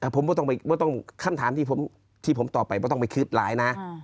ผมก็ต้องคำถามที่ผมตอบไปว่าต้องไปคิดร้ายนะ